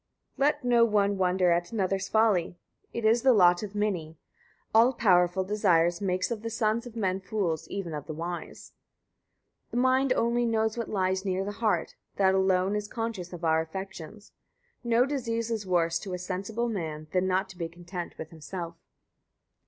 94. Let no one wonder at another's folly, it is the lot of many. All powerful desire makes of the sons of men fools even of the wise. 95. The mind only knows what lies near the heart, that alone is conscious of our affections. No disease is worse to a sensible man than not to be content with himself.